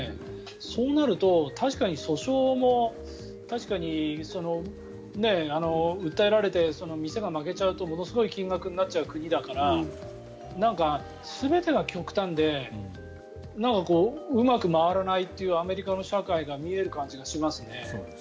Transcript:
そうなると、確かに訴訟も確かに訴えられて店が負けちゃうとものすごい金額になっちゃう国だから全てが極端でうまく回らないっていうアメリカの社会が見える感じがしますね。